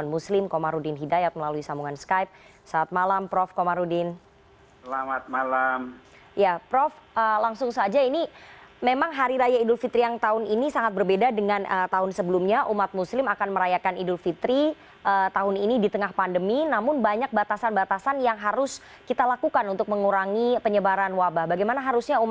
untuk mudik lokal artinya dari satu rumah